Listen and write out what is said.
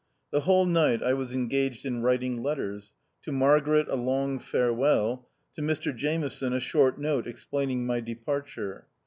The whole night I was engaged in writing letters ; to Margaret a long farewell ; to Mr Jameson, a short note explaining my departure.